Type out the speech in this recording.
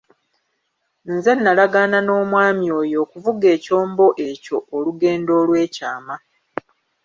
Nze nalagaana n'omwami oyo okuvuga ekyombo ekyo olugendo olw'ekyama.